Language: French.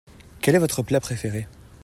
Quelle est votre plat préféré ?